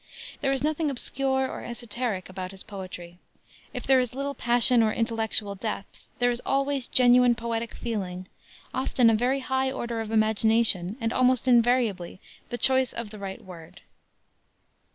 There is nothing obscure or esoteric about his poetry. If there is little passion or intellectual depth, there is always genuine poetic feeling, often a very high order of imagination and almost invariably the choice of the right word.